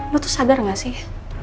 lo tuh sadar gak sih